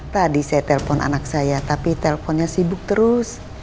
tadi saya telepon anak saya tapi teleponnya sibuk terus